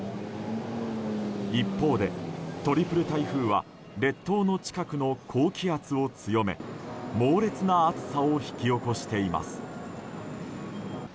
一方でトリプル台風は列島の近くの高気圧を強め猛烈な暑さを引き起こしています。